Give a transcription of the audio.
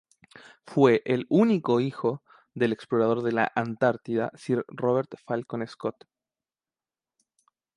Fue el único hijo del explorador de la Antártida Sir Robert Falcon Scott.